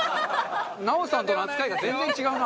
奈緒さんとの扱いが全然違うな！